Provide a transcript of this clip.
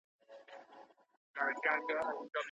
په ځيني حالتونو کي قاضي هم د طلاق حق لري.